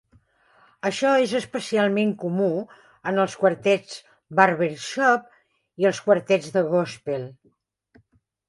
Això és especialment comú en els quartets barbershop i els quartets de gòspel.